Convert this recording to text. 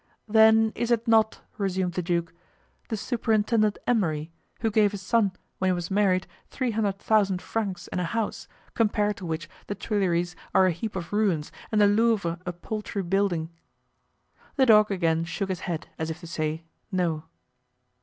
"Then is it not," resumed the duke, "the Superintendent Emery, who gave his son, when he was married, three hundred thousand francs and a house, compared to which the Tuileries are a heap of ruins and the Louvre a paltry building?" The dog again shook his head as if to say "no."